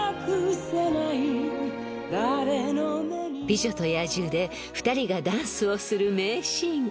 ［『美女と野獣』で２人がダンスをする名シーン］